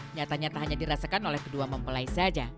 nyata nyata hanya dirasakan oleh kedua mempelai saja